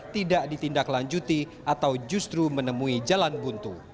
tidak ditindaklanjuti atau justru menemui jalan buntu